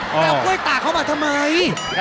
แล้วกล้วยตากเขามาทำไม